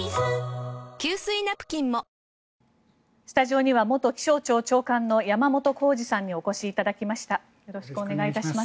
スタジオには元気象庁長官の山本孝二さんにお越しいただきました。